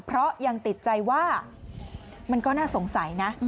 เพราะยังติดใจว่ามันก็น่าสงสัยนะ